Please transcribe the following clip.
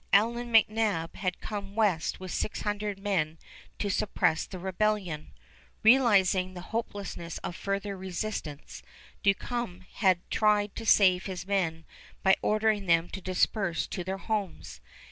Allan McNab had come west with six hundred men to suppress the rebellion. Realizing the hopelessness of further resistance, Duncombe had tried to save his men by ordering them to disperse to their homes.